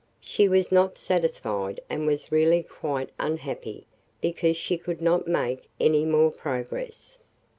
She was not satisfied and was really quite unhappy because she could not make any more progress.